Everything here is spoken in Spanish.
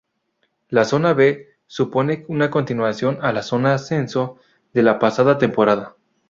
La "zona B" supone una continuación a la "Zona Ascenso" de la pasada temporada.